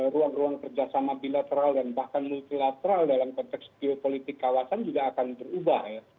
ruang ruang kerjasama bilateral dan bahkan multilateral dalam konteks geopolitik kawasan juga akan berubah ya